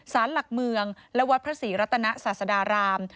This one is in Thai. สารหลักเมืองและวัดพระศรีรัตนศาสดาราม